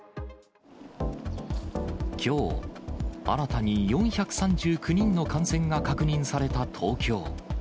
きょう、新たに４３９人の感染が確認された東京。